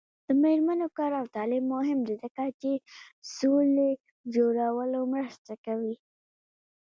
د میرمنو کار او تعلیم مهم دی ځکه چې سولې جوړولو مرسته کوي.